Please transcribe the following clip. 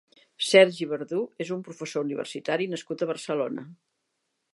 Sergio Verdú és un professor universitari nascut a Barcelona.